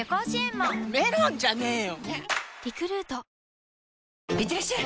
そしていってらっしゃい！